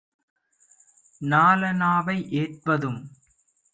நாலணாவை ஏற்பதும்